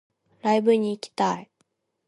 ライブに行きたい